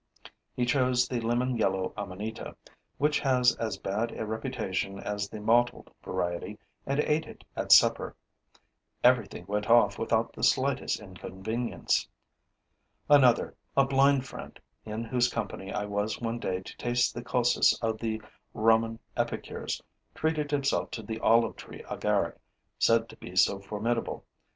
He chose the lemon yellow amanita, which has as bad a reputation as the mottled variety, and ate it at supper. Everything went off without the slightest inconvenience. Another, a blind friend, in whose company I was one day to taste the Cossus of the Roman epicures, treated himself to the olive tree agaric, said to be so formidable.